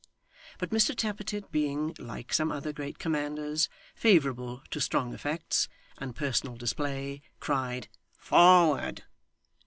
But Mr Tappertit being, like some other great commanders, favourable to strong effects, and personal display, cried 'Forward!